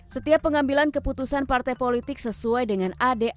setiap pengambilan keputusan partai politik sesuai dengan ajar bridge partai